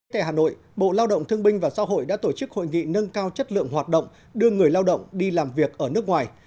tại hà nội bộ lao động thương binh và xã hội đã tổ chức hội nghị nâng cao chất lượng hoạt động đưa người lao động đi làm việc ở nước ngoài